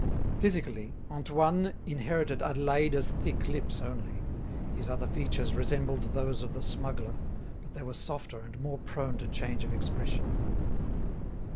Physically, Antoine inherited Adélaïde's thick lips only; his other features resembled those of the smuggler, but they were softer and more prone to change of expression.